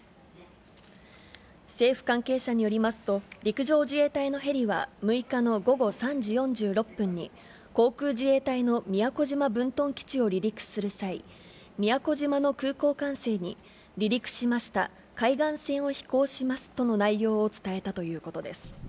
政府関係者によりますと、陸上自衛隊のヘリは６日の午後３時４６分に、航空自衛隊の宮古島分屯基地を離陸する際、宮古島の空港管制に、離陸しました、海岸線を飛行しますとの内容を伝えたということです。